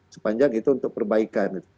sepanjang itu untuk perbaikan